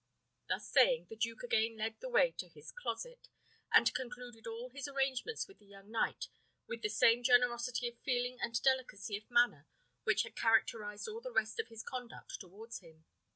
Thus saying, the duke again led the way to his closet, and concluded all his arrangements with the young knight with the same generosity of feeling and delicacy of manner which had characterised all the rest of his conduct towards him.